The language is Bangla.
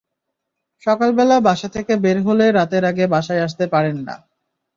সকালবেলা বাসা থেকে বের হলে রাতের আগে বাসায় আসতে পারেন না।